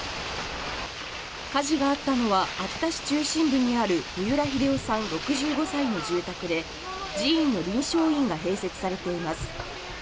火事があったのは秋田市中心部にある三浦英代さん６５歳の住宅で、寺院の鱗勝院が併設されています。